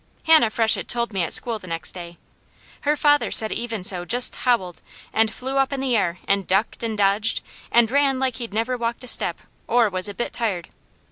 Hannah Freshett told me at school the next day. Her father said Even So just howled, and flew up in the air, and ducked, and dodged and ran like he'd never walked a step, or was a bit tired.